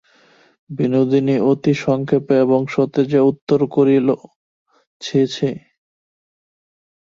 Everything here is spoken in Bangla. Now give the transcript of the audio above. বিনোদিনী অতি সংক্ষেপে এবং সতেজে উত্তর করিল, ছি ছি।